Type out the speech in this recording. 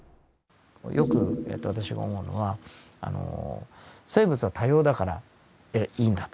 よく私が思うのは生物は多様だからいいんだと。